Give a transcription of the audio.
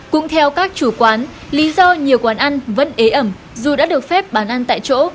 cũng theo các chủ quán lý do nhiều quán ăn vẫn ế ẩm dù đã được phép bán ăn tại chỗ